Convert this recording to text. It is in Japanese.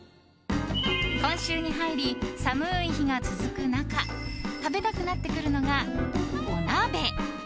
今週に入り寒い日が続く中食べたくなってくるのが、お鍋！